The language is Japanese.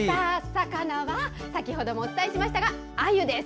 魚は先程もお伝えしましたがあゆです。